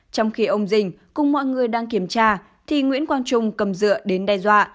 trong khi ông dình cùng mọi người đang kiểm tra thì nguyễn quang trung cầm dựa đến đe dọa